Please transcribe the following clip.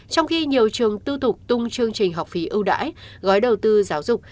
trong khi nhiều trường tu thuộc tung chương trình học phí ưu đãi gói đầu tư giáo dục